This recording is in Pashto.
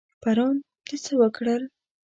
پرون د څه وکړل؟